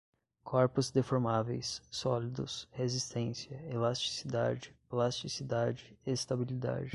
Corpos deformáveis, sólidos, resistência, elasticidade, plasticidade, estabilidade